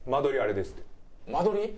間取り？